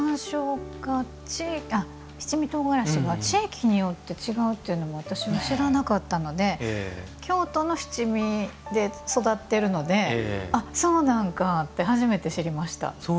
七味唐辛子が地域によって違うっていうのは私は知らなかったので京都の七味で育ってるのでそうなんかって初めて知りました。